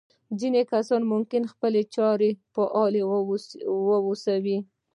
ځينې کسان ممکن خپلو چارو کې فعال واوسي.